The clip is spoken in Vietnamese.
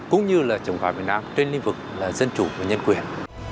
cũng như là chống phá việt nam trên lĩnh vực dân chủ và nhân quyền